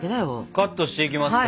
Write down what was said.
カットしていきますか。